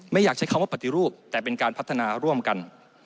อยากใช้คำว่าปฏิรูปแต่เป็นการพัฒนาร่วมกัน